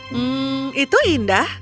hmm itu indah